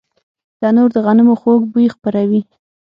تنور د غنمو خوږ بوی خپروي